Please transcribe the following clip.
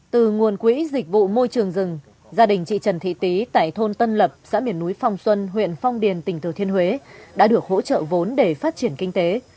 từ nguồn quỹ dịch vụ môi trường rừng gia đình chị trần thị tí tại thôn tân lập xã miền núi phong xuân huyện phong điền tỉnh thừa thiên huế đã được hỗ trợ vốn để phát triển kinh tế